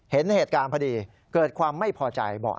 เห็นเหตุการณ์พอดีเกิดความไม่พอใจบอก